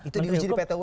itu diwujudin pt un